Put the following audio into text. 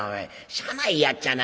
「しゃあないやっちゃな。